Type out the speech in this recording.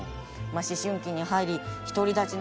思春期に入り独り立ちの準備。